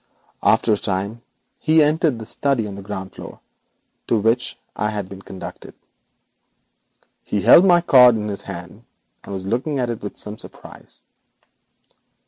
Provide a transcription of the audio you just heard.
After a time he entered the study on the ground floor, to which I had been conducted. He held my card in his hand, and was looking at it with some surprise.